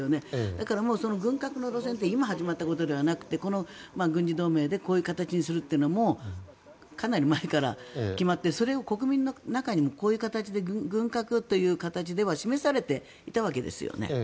だから軍拡の路線って今始まったことではなくてこの軍事同盟でこういう形にするというのもかなり前から決まってそれを国民の中に、こういう形で軍拡という形では示されていたわけですよね。